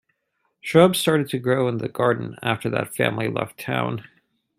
Shrubs started to grow in the garden after that family left town.